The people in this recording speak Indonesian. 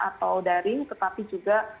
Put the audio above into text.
atau daring tetapi juga